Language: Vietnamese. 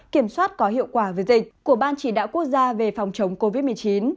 kiểm soát có hiệu quả với dịch của ban chỉ đạo quốc gia về phòng chống covid một mươi chín